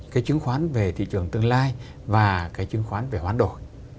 cái chứng khoán về thị trường tương lai và cái chứng khoán về hoán đổi